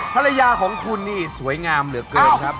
ภรรยาของคุณนี่สวยงามเหลือเกินครับ